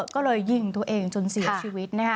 ก็เลยยิงตัวเองจนเสียชีวิตนะคะ